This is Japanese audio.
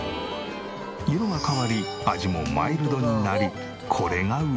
色が変わり味もマイルドになりこれがうまい。